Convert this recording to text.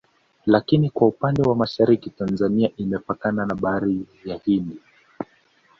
Lakini kwa upande wa Mashariki Tanzania imepakana na Bahari ya Hindi